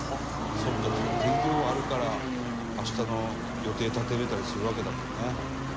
そっか天気予報あるから明日の予定立てられたりするわけだもんね。